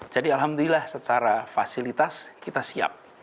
jadi alhamdulillah secara fasilitas kita siap